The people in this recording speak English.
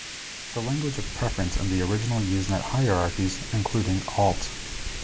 The language of preference in the "original" Usenet hierarchies, including "alt.